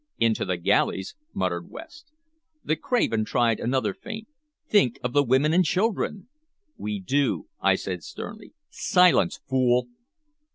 "Into the galleys," muttered West. The craven tried another feint. "Think of the women and children!" "We do," I said sternly. "Silence, fool!"